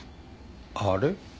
あれ？